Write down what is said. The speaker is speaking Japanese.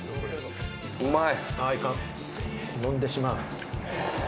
うまい！